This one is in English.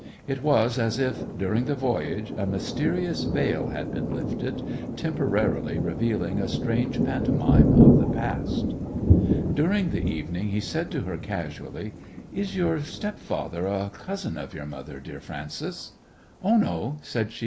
It was as if, during the voyage, a mysterious veil had been lifted, temporarily revealing a strange pantomime of the past. During the evening he said to her casually: 'Is your step father a cousin of your mother, dear Frances?' 'Oh, no,' said she.